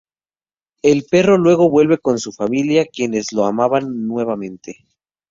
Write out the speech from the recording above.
El perro, luego, vuelve con su familia, quienes lo amaban nuevamente.